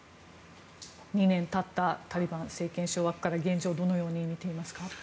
２年経ったタリバン政権掌握から現状をどのように見ていますか？